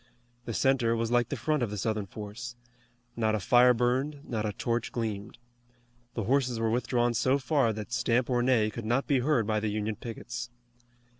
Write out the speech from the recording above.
The center was like the front of the Southern force. Not a fire burned, not a torch gleamed. The horses were withdrawn so far that stamp or neigh could not be heard by the Union pickets.